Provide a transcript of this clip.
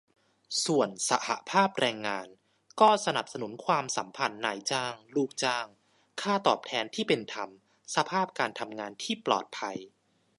ส่วนสหภาพแรงงาน ก็สนับสนุนความสัมพันธ์นายจ้าง-ลูกจ้าง ค่าตอบแทนที่เป็นธรรม สภาพการทำงานที่ปลอดภัย